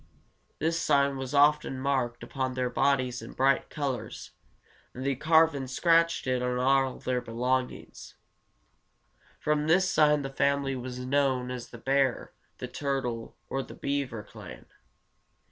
This sign was often marked upon their bodies in bright colors, and they carved and scratched it on all their belongings. From this sign the family was known as the bear, the turtle, or the beaver clan.